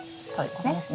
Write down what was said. ここですね。